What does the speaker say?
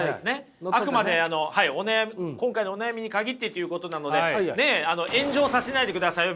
あくまであの今回のお悩みに限ってということなのでねえ炎上させないでくださいよ